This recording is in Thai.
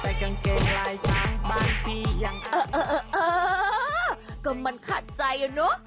เอ๊ะเอ๊ะเอ๊ะก็มันขัดใจแล้วนะ